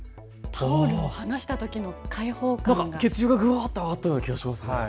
タオルを離したときの開放感が、血流がぐっと上がったような気がします。